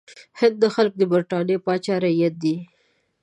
د هند خلک د برټانیې پاچا رعیت دي.